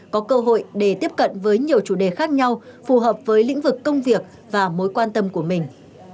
có cơ hội để tiếp cận với nhiều chủ đề khác nhau phù hợp với lĩnh vực công việc và mối quan tâm của mình